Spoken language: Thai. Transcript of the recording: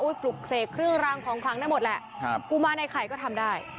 อุ้ยปลุกเศษคือกำของคลังนั้นหมดแหละครับปูมานในไข่ก็ทำได้